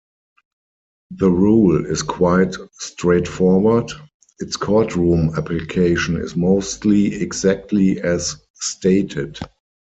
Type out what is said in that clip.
The rule is quite straightforward; its court room application is mostly exactly as stated.